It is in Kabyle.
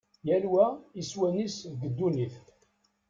Yal wa iswan-is deg ddunit.